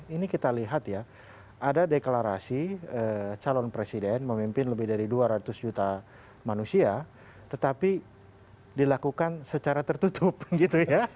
ini kita lihat ya ada deklarasi calon presiden memimpin lebih dari dua ratus juta manusia tetapi dilakukan secara tertutup gitu ya